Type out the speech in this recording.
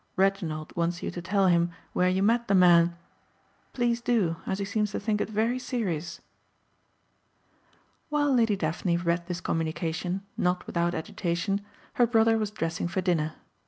Reginald wants you to tell him where you met the man. Please do as he seems to think it very serious." While Lady Daphne read this communication, not without agitation, her brother was dressing for dinner.